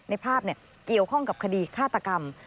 ในภาพเกี่ยวข้องกับคดีฆาตกรรม